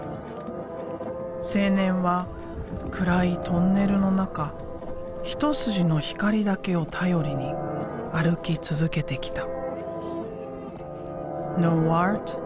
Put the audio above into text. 青年は暗いトンネルの中一筋の光だけを頼りに歩き続けてきた。